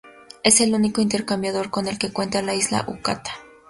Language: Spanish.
Es el único intercambiador con el que cuenta la Isla Hakata.